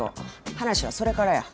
話はそれからや。